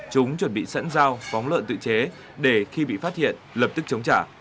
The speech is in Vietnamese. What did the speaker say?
chúng chuẩn bị sẵn dao phóng lợn tự chế để khi bị phát hiện lập tức chống trả